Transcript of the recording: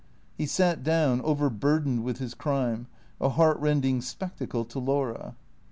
He sat down, overburdened with his crime, a heartrending spectacle to Laura.